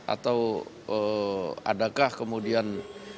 atau adakah kemudian